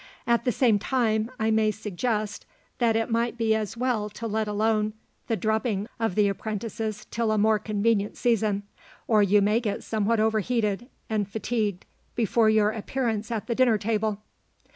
At the same time, I may suggest that it might be as well to let alone the drubbing of the apprentices till a more convenient season, or you may get somewhat overheated and fatigued before your appearance at the dinner table."